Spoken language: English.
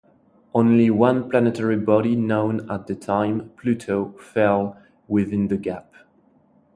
Only one planetary body known at the time, Pluto, fell within the gap.